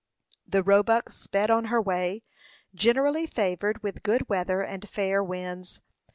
The Roebuck sped on her way, generally favored with good weather and fair winds.